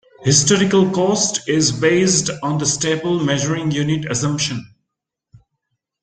Historical cost is based on the stable measuring unit assumption.